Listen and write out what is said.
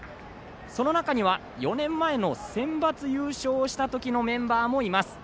その中には４年前のセンバツ優勝した時のメンバーもいます。